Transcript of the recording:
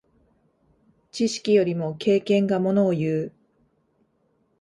知識よりも経験がものをいう。